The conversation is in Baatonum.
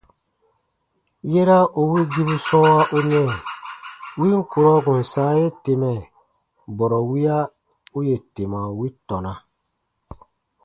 Yera u wigibu sɔ̃ɔwa u nɛɛ win durɔ kùn sãa ye temɛ, bɔrɔ wiya u yè tema wi tɔna.